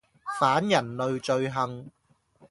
反人類罪行